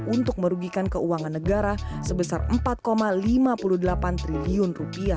untuk merugikan keuangan negara sebesar rp empat lima puluh delapan triliun